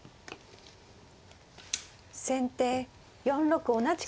先手４六同じく銀。